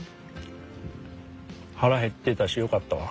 腹減ってたしよかったわ。